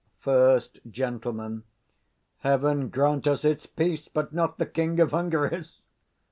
First Gent. Heaven grant us its peace, but not the King of Hungary's!